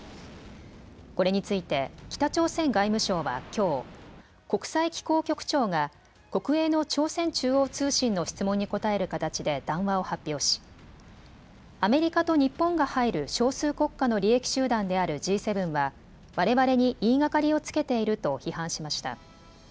これについて北朝鮮外務省はきょう国際機構局長が国営の朝鮮中央通信の質問に答える形で談話を発表しアメリカと日本が入る少数国家の利益集団であるＧ７はわれわれに言いがかりをつけていると批判しました。